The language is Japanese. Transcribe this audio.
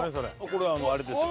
これはあのあれですよ。